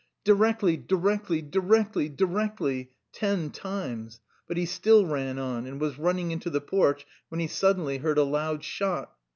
"Directly, directly, directly, directly." Ten times. But he still ran on, and was running into the porch when he suddenly heard a loud shot.